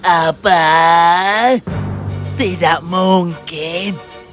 apa tidak mungkin